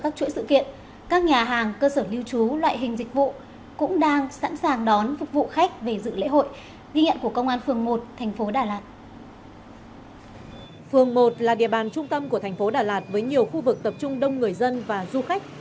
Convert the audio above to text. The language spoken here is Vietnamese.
phường một là địa bàn trung tâm của thành phố đà lạt với nhiều khu vực tập trung đông người dân và du khách